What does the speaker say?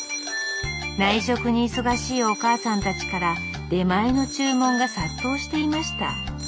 内職に忙しいおかあさんたちから出前の注文が殺到していました。